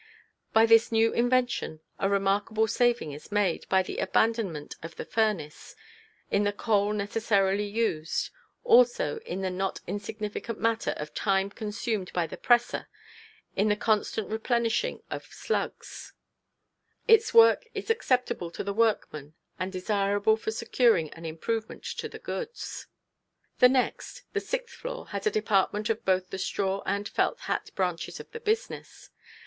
By this new invention a remarkable saving is made, by the abandonment of the furnace, in the coal necessarily used, also in the not insignificant matter of time consumed by the presser in the constant replenishing of "slugs." Its work is acceptable to the workman and desirable for securing an improvement to the goods. [Illustration: STRAW HAT FINISHING DEPARTMENT.] The next, the sixth floor, has a department of both the straw and felt hat branches of the business.